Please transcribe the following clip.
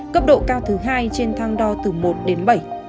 cấp độ cao thứ hai trên thang đo từ một đến bảy